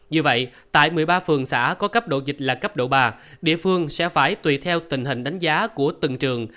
như vậy tại một mươi ba phường xã có cấp độ dịch là cấp độ ba địa phương sẽ phải tùy theo tình hình đánh giá của từng trường